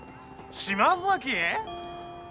島崎？